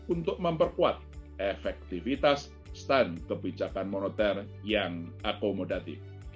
untuk memperkuat efektivitas stand kebijakan moneter yang akomodatif